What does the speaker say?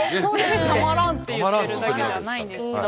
たまらんって言ってるだけじゃないんですけど。